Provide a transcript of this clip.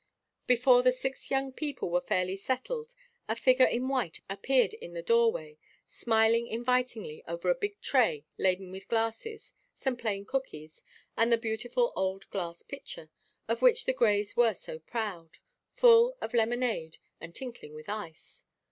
Before the six young people were fairly settled a figure in white appeared in the doorway, smiling invitingly over a big tray laden with glasses, some plain cookies, and the beautiful old glass pitcher, of which the Greys were so proud, full of lemonade and tinkling with ice.